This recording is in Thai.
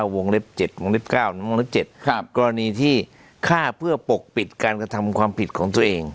วงเล็บ๗วงเล็บ๙วงเล็บ๗กรณีที่ฆ่าเพื่อปกปิดการกระทำความผิดของตัวเอง